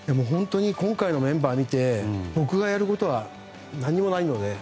今回のメンバーを見て僕がやることは何もないので。